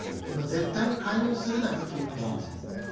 この絶対に介入するなよというメッセージですね。